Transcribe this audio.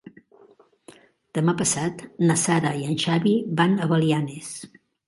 Demà passat na Sara i en Xavi van a Belianes.